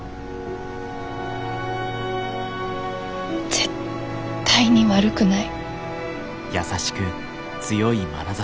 絶対に悪くない。